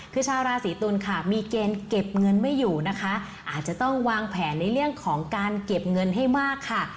คือชาวราศีตุลค่ะมีเกณฑ์เก็บเงินไม่อยู่นะคะอาจจะต้องวางแผนในเรื่องของการเก็บเงินให้มากค่ะ